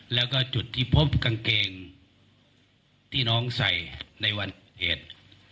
แล้วก็จุดที่พบกางเกงที่น้องใส่ในวันเหตุ